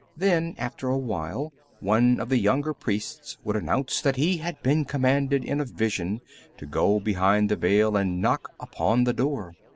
Then, after a while, one of the younger priests would announce that he had been commanded in a vision to go behind the veil and knock upon the door.